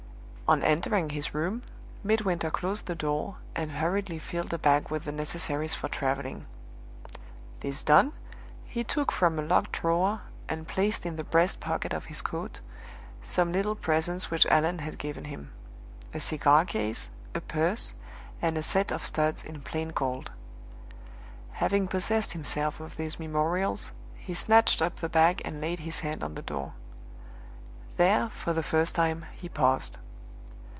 On entering his room, Midwinter closed the door, and hurriedly filled a bag with the necessaries for traveling. This done, he took from a locked drawer, and placed in the breast pocket of his coat, some little presents which Allan had given him a cigar case, a purse, and a set of studs in plain gold. Having possessed himself of these memorials, he snatched up the bag and laid his hand on the door. There, for the first time, he paused.